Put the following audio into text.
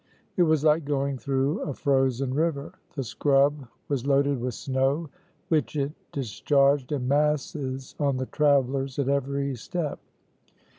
It was like going through a frozen river. The scrub was loaded with snow, which it discharged in masses on the travelers at every step.